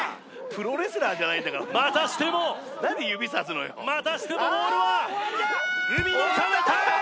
プロレスラーじゃないんだからまたしてもなんで指さすのよまたしてもボールは海のかなたへ！